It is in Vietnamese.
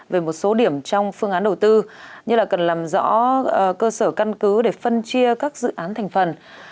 về một số điểm trong phương án đầu tư như là cần làm rõ cơ sở căn cứ để phân chia các dự án thành phần